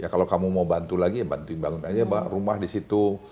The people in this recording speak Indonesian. kalau kamu mau bantu lagi ya bantuin bangun aja rumah di situ